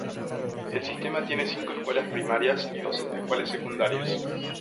El sistema tiene cinco escuelas primarias y dos escuelas secundarias.